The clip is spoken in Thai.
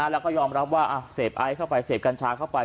แล้วก็ยอมรับว่าเสพไอซ์เข้าไปเสพกัญชาเข้าไป